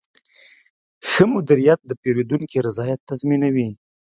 ښه مدیریت د پیرودونکي رضایت تضمینوي.